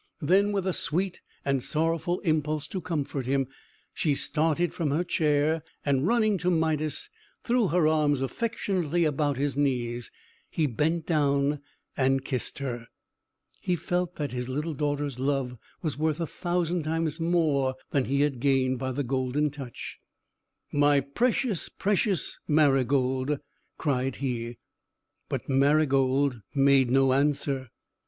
Then, with a sweet and sorrowful impulse to comfort him, she started from her chair, and, running to Midas, threw her arms affectionately about his knees. He bent down and kissed her. He felt that his little daughter's love was worth a thousand times more than he had gained by the Golden Touch. "My precious, precious Marygold!" cried he. But Marygold made no answer.